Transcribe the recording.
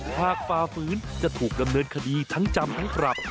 ฝ่าฝืนจะถูกดำเนินคดีทั้งจำทั้งปรับ